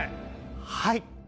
はい。